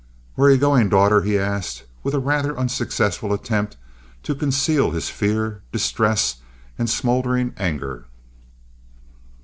"Where are you going, daughter?" he asked, with a rather unsuccessful attempt to conceal his fear, distress, and smoldering anger.